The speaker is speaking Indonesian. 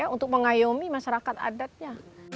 untuk mengayomi masyarakat adatnya